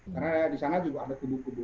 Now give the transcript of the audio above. karena di sana juga ada kubu kubu